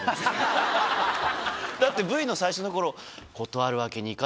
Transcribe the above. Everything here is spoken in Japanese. だってＶＴＲの最初の頃。